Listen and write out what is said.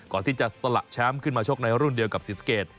ก่อนที่จะสละแชมป์ขึ้นมาชกในรุ่นเดียวกับศรีสะเกด